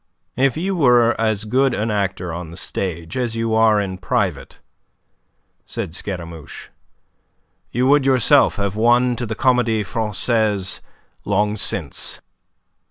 "If you were as good an actor on the stage as you are in private," said Scaramouche, "you would yourself have won to the Comedie Francaise long since.